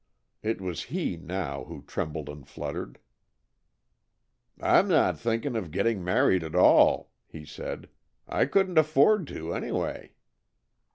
It was he, now, who trembled and fluttered. "I'm not thinking of getting married at all," he said. "I couldn't afford to, anyway."